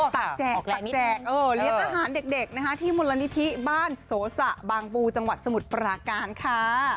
ตักแจกตักแจกเลี้ยงอาหารเด็กนะคะที่มูลนิธิบ้านโสสะบางปูจังหวัดสมุทรปราการค่ะ